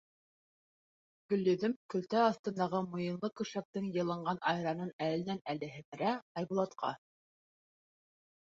Гөлйөҙөм, көлтә аҫтындағы муйынлы көршәктең йылынған айранын әленән-әле һемерә, Айбулатҡа: